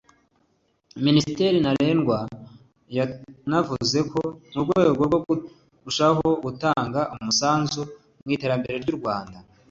Minisitiri Narendra yanavuze ko mu rwego rwo kurushaho gutanga umusanzu mu iterambere ry’u Rwanda